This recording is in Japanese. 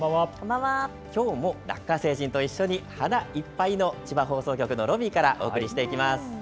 きょうもラッカ星人と一緒に花いっぱいの千葉放送局のロビーからお送りしていきます。